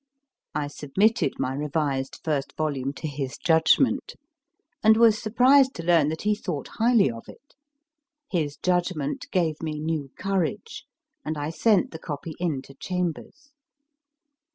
I submitted my revised first volume to his judgment, and was surprised to learn that he thought highly of it. His judgment gave me new courage, and I sent the copy in to Chambers.